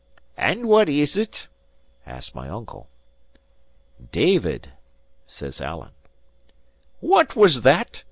"And what is't?" asked my uncle. "David," says Alan. "What was that?"